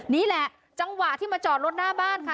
นี่แหละจังหวะที่มาจอดรถหน้าบ้านค่ะ